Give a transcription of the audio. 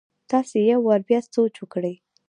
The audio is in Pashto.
تاسي يو وار بيا سوچ وکړئ!